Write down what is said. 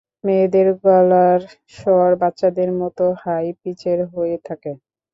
মেয়েদের গলার স্বর বাচ্চাদের মতো হাই পিচের হয়ে থাকে।